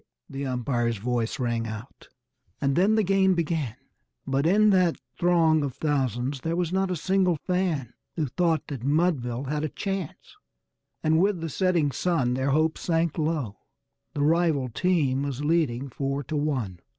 the umpire's voice rang out, and then the game began; But in that throng of thousands there was not a single fan Who thought that Mudville had a chance; and with the setting sun Their hopes sank low the rival team was leading "four to one."